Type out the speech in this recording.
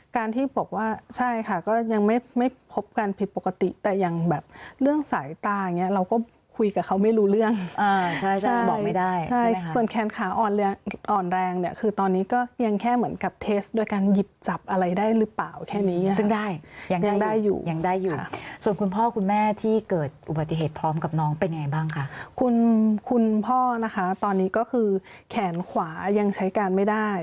การที่บอกว่าใช่ค่ะก็ยังไม่พบการผิดปกติแต่ยังแบบเรื่องสายตาอย่างนี้เราก็คุยกับเขาไม่รู้เรื่องใช่บอกไม่ได้ใช่ไหมคะส่วนแขนขาอ่อนแรงคือตอนนี้ก็ยังแค่เหมือนกับเทสโดยการหยิบจับอะไรได้หรือเปล่าแค่นี้ซึ่งได้ยังได้อยู่ส่วนคุณพ่อคุณแม่ที่เกิดอุบัติเหตุพร้อมกับน้องเป็นไงบ้างคะคุณพ่อ